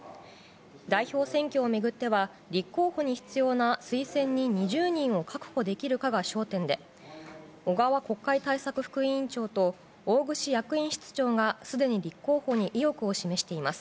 代表選挙を巡っては立候補に必要な推薦人２０人を確保できるかが焦点で小川国会対策副委員長と大串役員室長がすでに立候補に意欲を示しています。